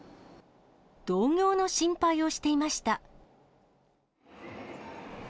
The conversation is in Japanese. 同業の心配をしていました。